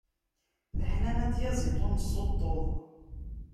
Leḥnana n tyaziḍt, ur nessuṭṭuḍ.